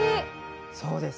そうです。